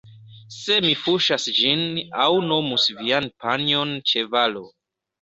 Se mi fuŝas ĝin aŭ nomus vian panjon ĉevalo